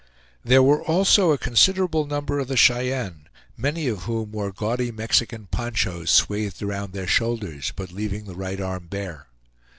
There were also a considerable number of the Cheyenne, many of whom wore gaudy Mexican ponchos swathed around their shoulders, but leaving the right arm bare.